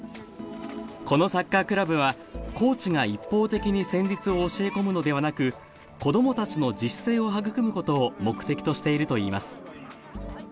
このサッカークラブはコーチが一方的に戦術を教え込むのではなく子どもたちの自主性を育むことを目的としているといいます